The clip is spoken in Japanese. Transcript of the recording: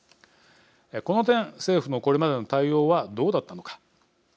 この点、政府のこれまでの対応はどうだったのか。